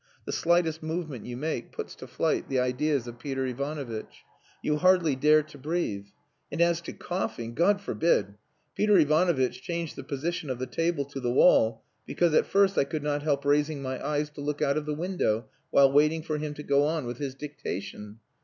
The slightest movement you make puts to flight the ideas of Peter Ivanovitch. You hardly dare to breathe. And as to coughing God forbid! Peter Ivanovitch changed the position of the table to the wall because at first I could not help raising my eyes to look out of the window, while waiting for him to go on with his dictation.